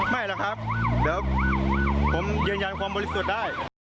ไม่หรอกครับเดี๋ยวผมยืนยันความบริสุทธิ์ได้